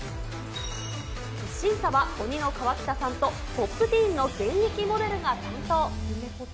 審査は鬼の河北さんと、Ｐｏｐｔｅｅｎの現役モデルが担当。